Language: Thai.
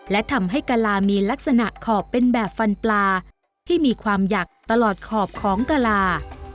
และทำให้กะลามีลักษณะขอบเป็นแบบฟันปลาที่มีความหยักตลอดขอบของกะลา